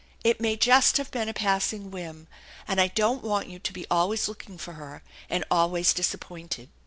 It may just have been a passing whim. And I don't want you to be always looking for her and always disappointed."